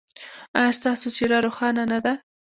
ایا ستاسو څیره روښانه نه ده؟